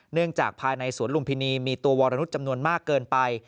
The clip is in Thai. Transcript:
เนื่องจากภายในสวนลุมพินีมีตัววรนุษย์จำนวนมากเกินไป